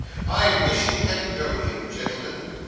I wish you had known him, gentlemen.